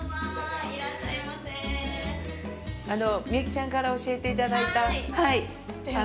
みゆきちゃんから教えていただいたはい。